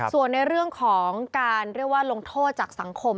ส่วนในเรื่องของการลงโทษจากสังคม